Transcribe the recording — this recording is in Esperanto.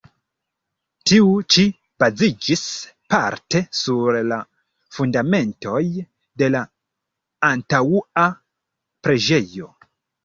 Tiu ĉi baziĝis parte sur la fundamentoj de la antaŭa preĝejo.